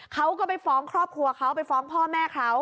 เขาก็ไปฟ้องครอบครัวเขาไปฟ้องพ่อแม่เขา